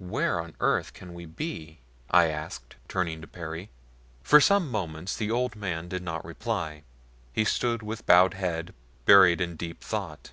"Where on earth can we be?" I asked, turning to Perry. For some moments the old man did not reply. He stood with bowed head, buried in deep thought.